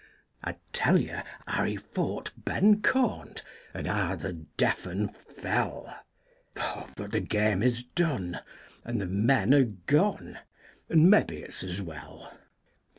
I'd tell you how he fought Ben Caunt, and how the deaf 'un fell, But the game is done, and the men are gone and maybe it's as well.